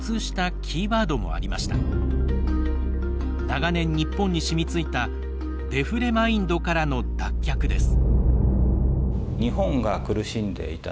長年日本に染みついたデフレマインドからの脱却です。